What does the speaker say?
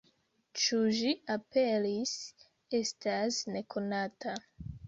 Ĉu ĝi aperis, estas nekonata.